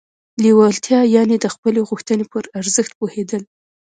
لېوالتیا يانې د خپلې غوښتنې پر ارزښت پوهېدل.